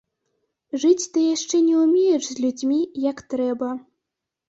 Жыць ты яшчэ не ўмееш з людзьмі, як трэба.